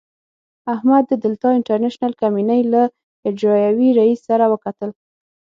احمد د دلتا انټرنشنل کمينۍ له اجرائیوي رئیس سره وکتل.